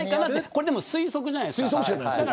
これ、でも推測じゃないですか。